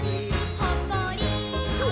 ほっこり。